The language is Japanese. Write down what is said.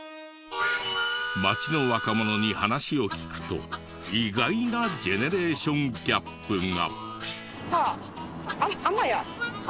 街の若者に話を聞くと意外なジェネレーションギャップが。